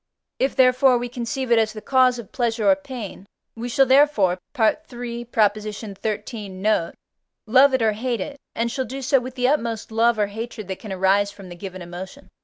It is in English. If, therefore, we conceive it as the cause of pleasure or pain, we shall therefore (III. xiii. note) love it or hate it, and shall do so with the utmost love or hatred that can arise from the given emotion.